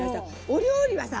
お料理はさ